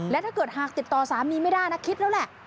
และถ้าเกิดหากติดต่อสามีไม่ได้นะคิดแล้วแหละ